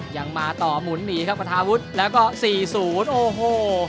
ยังมาต่อหมุนหนีครับประทาวุฒิแล้วก็สี่ศูนย์โอ้โห